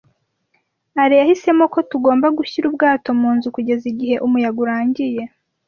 Alain yahisemo ko tugomba gushyira ubwato mu nzu kugeza igihe umuyaga urangiye.